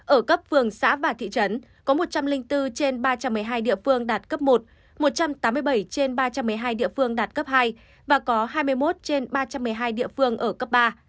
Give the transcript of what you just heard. ở cấp phường xã và thị trấn có một trăm linh bốn trên ba trăm một mươi hai địa phương đạt cấp một một trăm tám mươi bảy trên ba trăm một mươi hai địa phương đạt cấp hai và có hai mươi một trên ba trăm một mươi hai địa phương ở cấp ba